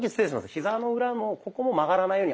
ヒザの裏のここも曲がらないように。